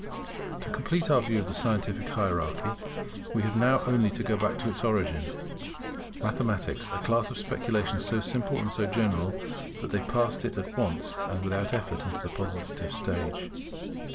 To complete our view of the scientific hierarchy we have now only to go back to its origin, Mathematics; a class of speculations so simple and so general, that they passed at once and without effort into the Positive stage.